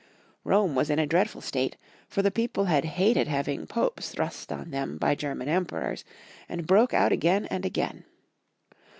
Rome was in a dreadful state, for the people had hated having Popes thrust on them by German Emperors, and broke out again and again.